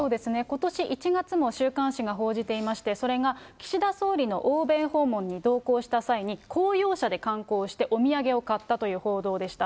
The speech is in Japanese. ことし１月も週刊誌が報じていまして、それが岸田総理の欧米訪問に同行した際に、公用車で観光して、お土産を買ったという報道でした。